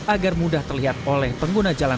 agar mudah terlihat oleh pengguna jalan